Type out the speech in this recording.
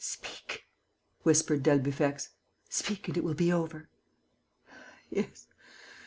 "Speak," whispered d'Albufex. "Speak and it will be over." "Yes